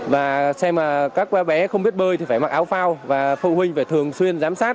và xem là các bé không biết bơi thì phải mặc áo phao và phụ huynh phải thường xuyên giám sát